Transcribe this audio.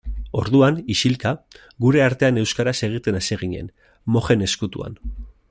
Orduan, isilka, gure artean euskaraz egiten hasi ginen, mojen ezkutuan.